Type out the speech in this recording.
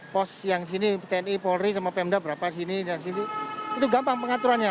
pos yang sini tni polri sama pemda berapa sini dan sini itu gampang pengaturannya